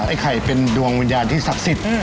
ไอ้ไข่เป็นดวงวิญญาณที่ศักดิ์สิทธิ์